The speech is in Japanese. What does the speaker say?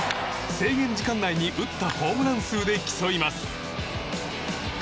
制限時間内に打ったホームラン数で競います。